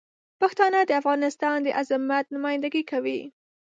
پښتانه د افغانستان د عظمت نمایندګي کوي.